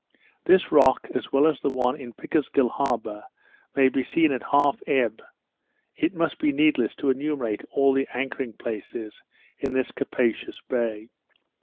This rock, as well as the one in Pickersgill Harbour, may be seen at half ebb It must be needless to enumerate all the anchoring places in this capacious bay.